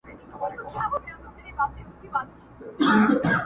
دا کيسه د ټولنې ژور نقد دی او فکر اړوي